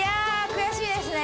悔しいですね。